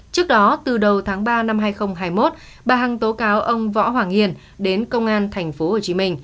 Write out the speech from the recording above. trước đó từ đầu tháng ba năm hai nghìn hai mươi một bà hằng tố cáo ông võ hoàng hiền đến công an tp hcm